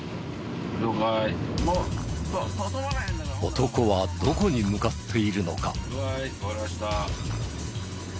男はどこに向かっているのか。